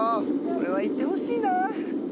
これはいってほしいなぁ。